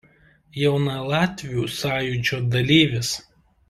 Jaunalatvių sąjūdžio dalyvis.